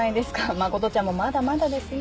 真ちゃんもまだまだですね。